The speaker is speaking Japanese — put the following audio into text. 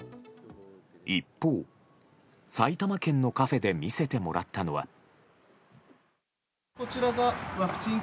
一方、埼玉県のカフェで見せてもらったのは。